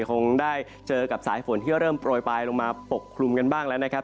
คงได้เจอกับสายฝนที่เริ่มโปรยปลายลงมาปกคลุมกันบ้างแล้วนะครับ